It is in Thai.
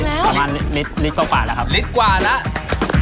ประมาณลิตรกว่าแล้วครับลิตรกว่าแล้ว